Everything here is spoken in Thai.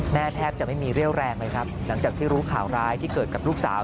แทบจะไม่มีเรี่ยวแรงเลยครับหลังจากที่รู้ข่าวร้ายที่เกิดกับลูกสาว